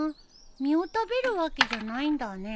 実を食べるわけじゃないんだね。